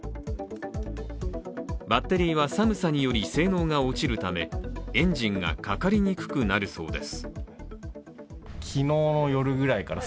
バッテリーは寒さにより性能が落ちるためエンジンがかかりにくくなるそうです。